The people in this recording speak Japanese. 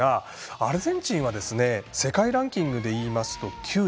アルゼンチンは世界ランキングでいいますと９位。